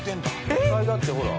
野菜だってほら。